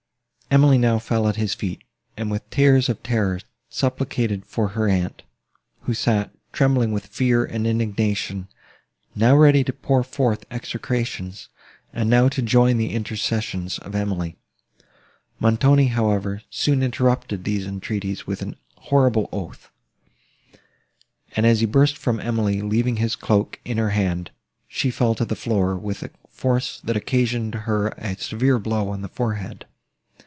Emily now fell at his feet, and, with tears of terror, supplicated for her aunt, who sat, trembling with fear, and indignation; now ready to pour forth execrations, and now to join the intercessions of Emily. Montoni, however, soon interrupted these entreaties with a horrible oath; and, as he burst from Emily, leaving his cloak, in her hand, she fell to the floor, with a force, that occasioned her a severe blow on the forehead.